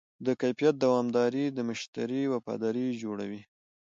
د کیفیت دوامداري د مشتری وفاداري جوړوي.